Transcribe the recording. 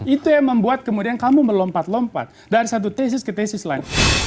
itu yang membuat kemudian kamu melompat lompat dari satu tesis ke tesis lain